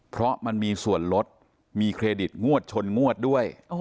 เพราะมันมีส่วนลดมีเครดิตงวดชนงวดด้วย